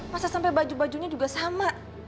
masa bagu buagunya sampai sama